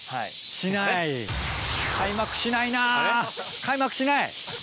しない開幕しないな開幕しない。